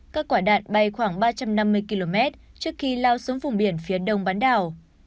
các quả đạn bay khoảng ba trăm năm mươi km trước khi lao xuống vùng biển phía đông bán đảo